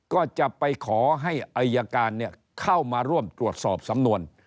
ก็จะไปขอให้อายการเข้ามาร่วมตรวจสอบสำนวน